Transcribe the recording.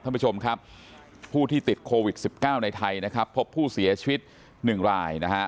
ท่านผู้ชมครับผู้ที่ติดโควิด๑๙ในไทยนะครับพบผู้เสียชีวิต๑รายนะฮะ